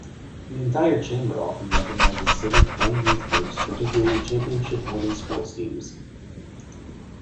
The entire chamber often recognizes civic and youth groups, particularly championship-winning sports teams.